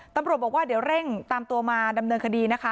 ตำรวจบอกว่าเดี๋ยวเร่งตามตัวมาดำเนินคดีนะคะ